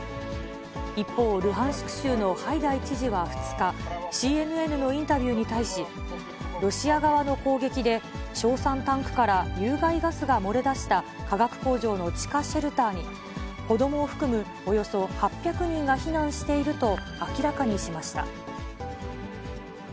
一方、ルハンシク州のハイダイ知事は２日、ＣＮＮのインタビューに対し、ロシア側の攻撃で、硝酸タンクから有害ガスが漏れ出した化学工場の地下シェルターに、子どもを含むおよそ８００人が避難していると明らかにしました。